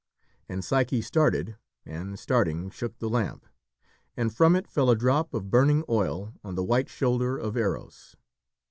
And Psyche started, and, starting, shook the lamp; and from it fell a drop of burning oil on the white shoulder of Eros.